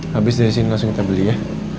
habis dari sini langsung kita beli ya